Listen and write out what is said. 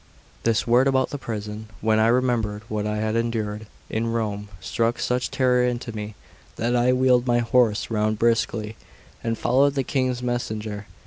This word about the prison, when I remembered what I had endured in Rome, struck such terror into me, that I wheeled my horse round briskly and followed the King's messenger.